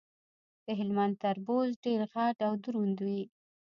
د هلمند تربوز ډیر غټ او دروند وي.